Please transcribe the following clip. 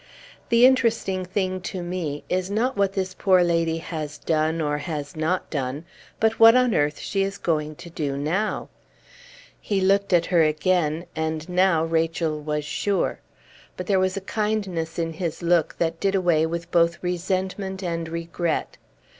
"The interesting thing, to me, is not what this poor lady has or has not done, but what on earth she is going to do now!" He looked at her again, and now Rachel was sure. But there was a kindness in his look that did away both with resentment and regret.